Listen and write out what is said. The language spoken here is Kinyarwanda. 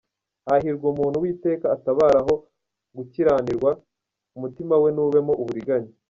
Hahirwa umuntu Uwiteka atabaraho gukiranirwa, Umutima we ntubemo uburiganya.